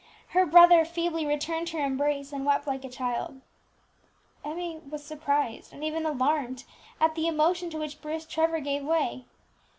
Her brother feebly returned her embrace, and wept like a child. Emmie was surprised, and even alarmed, at the emotion to which Bruce Trevor gave way.